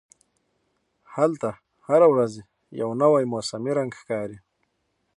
هلته هره ورځ یو نوی موسمي رنګ ښکاري.